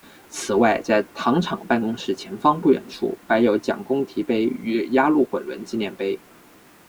此外在糖厂办公室前方不远处摆有蒋公堤碑与压路滚轮纪念碑。